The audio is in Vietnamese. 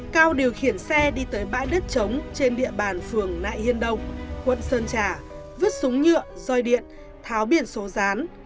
cao điều khiển xe đi tới bãi đất trống trên địa bàn phường nại hiên đông quận sơn trà vứt súng nhựa roi điện tháo biển số rán